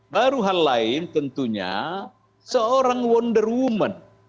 baru hal lain tentunya seorang wonder woman